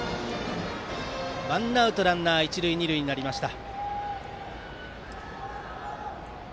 ワンアウトランナー、一塁二塁になりました。